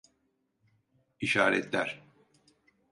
İşaretler.